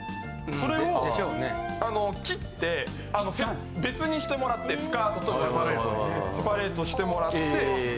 それをあの切って別にしてもらってスカートとセパレートしてもらって。